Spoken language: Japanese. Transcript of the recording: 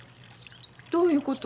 どういうこと？